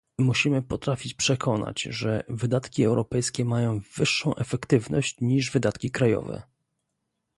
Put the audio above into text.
Musimy potrafić przekonać, że wydatki europejskie mają wyższą efektywność niż wydatki krajowe